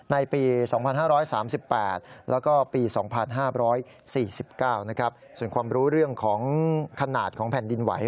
ในปี๒๕๓๘แล้วก็ปี๒๕๔๙ส่วนความรู้เรื่องของขนาดของแผ่นดินไหว